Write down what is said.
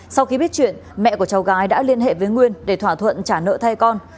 sau khi biết chuyện mẹ của cháu gái đã liên hệ với nguyên để thỏa thuận trả nợ thai con